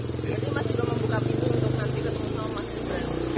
berarti mas juga membuka pintu untuk nanti ketemu sama mas gibran